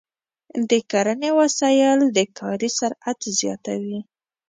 د کرنې وسایل د کاري سرعت زیاتوي.